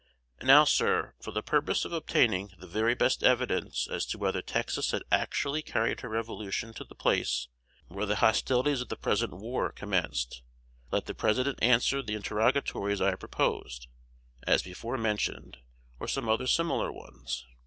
Now, sir, for the purpose of obtaining the very best evidence as to whether Texas had actually carried her revolution to the place where the hostilities of the present war commenced, let the President answer the interrogatories I proposed, as before mentioned, or some other similar ones.